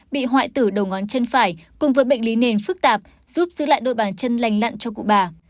bị hoại tử đầu ngóng chân phải cùng với bệnh lý nền phức tạp giúp giữ lại đôi bàn chân lành lặn cho cụ bà